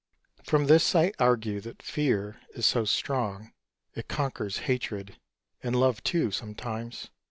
From this I argue that fear is so strong, It conquers hatred, and love, too, sometimes.